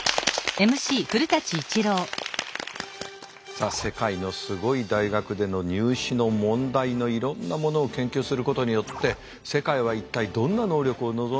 さあ世界のすごい大学での入試の問題のいろんなものを研究することによって世界は一体どんな能力を望んでいるのか。